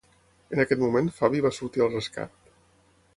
En aquest moment Fabi va sortir al rescat.